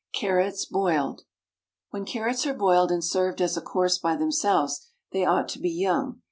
CARROTS, BOILED. When carrots are boiled and served as a course by themselves, they ought to be young.